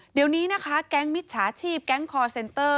เดี๋ยวนี้นะคะแก๊งมิจฉาชีพแก๊งคอร์เซนเตอร์